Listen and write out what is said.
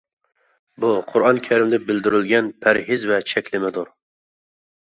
بۇ قۇرئان كەرىمدە بىلدۈرۈلگەن پەرھىز ۋە چەكلىمىدۇر.